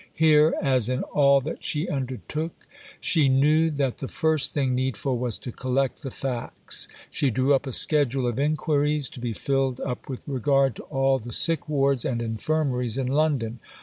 Here, as in all that she undertook, she knew that the first thing needful was to collect the facts. She drew up a schedule of inquiries, to be filled up with regard to all the sick wards and infirmaries in London.